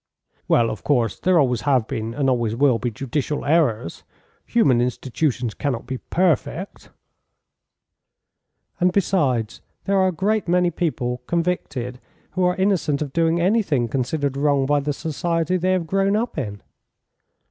"Well, of course there always have been and always will be judicial errors. Human institutions cannot be perfect." "And, besides, there are a great many people convicted who are innocent of doing anything considered wrong by the society they have grown up in."